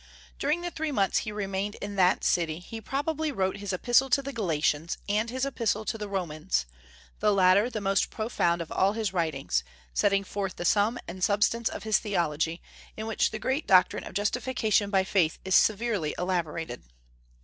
During the three months he remained in that city he probably wrote his Epistle to the Galatians and his Epistle to the Romans, the latter the most profound of all his writings, setting forth the sum and substance of his theology, in which the great doctrine of justification by faith is severely elaborated.